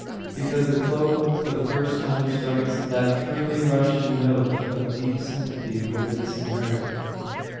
Because The Cloak for the first time strikes that truly Russian note of deep sympathy with the disinherited.